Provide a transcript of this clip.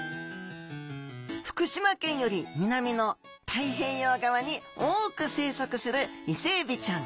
福島県より南の太平洋側に多く生息するイセエビちゃん。